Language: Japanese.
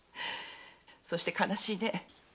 そして悲しいね。